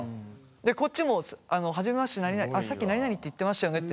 こっちも初めましてなになにさっきなになにって言ってましたよねって